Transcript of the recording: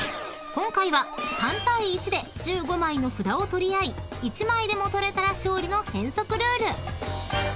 ［今回は３対１で１５枚の札を取り合い１枚でも取れたら勝利の変則ルール］